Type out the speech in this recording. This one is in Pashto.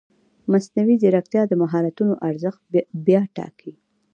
مصنوعي ځیرکتیا د مهارتونو ارزښت بیا ټاکي.